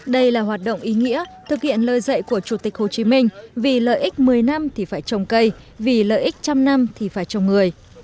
đây là hoạt động ý nghĩa thực hiện lời dạy của chủ tịch hồ chí minh vì lợi ích một mươi năm thì phải trồng cây vì lợi ích trăm năm thì phải trồng người